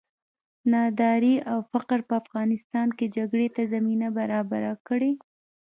ناداري او فقر په افغانستان کې جګړې ته زمینه برابره کړې.